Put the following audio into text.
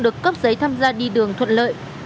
được cấp giấy tham gia đi đường thuận lợi